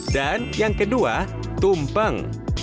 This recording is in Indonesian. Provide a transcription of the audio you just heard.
dan yang kedua tumpeng